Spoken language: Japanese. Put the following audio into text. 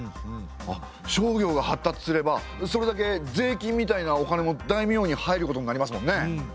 あっ商業が発達すればそれだけ税金みたいなお金も大名に入ることになりますもんね。